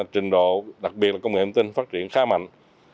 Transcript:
trình độ đặc biệt là công nghệ yên tinh phát triển khá mạnh